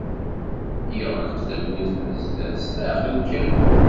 Yeɣleq tawwurt n sdat s leɛqel kan.